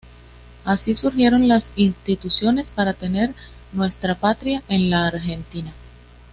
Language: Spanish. Así surgieron las instituciones para tener "nuestra patria en la Argentina".